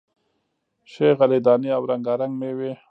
ښې غلې دانې او رنگا رنگ میوې لري،